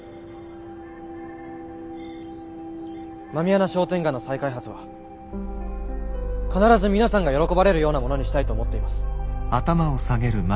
狸穴商店街の再開発は必ず皆さんが喜ばれるようなものにしたいと思っています。